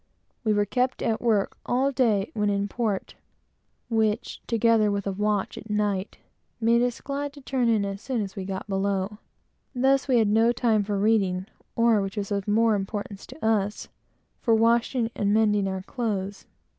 We were kept at work all day when in port; which, together with a watch at night, made us glad to turn in as soon as we got below. Thus we got no time for reading, or which was of more importance to us for washing and mending our clothes.